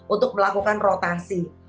untuk melakukan rotasi